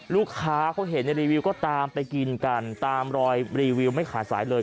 ลูกค้าเขาเห็นในรีวิวก็ตามไปกินกันตามรอยรีวิวไม่ขาดสายเลย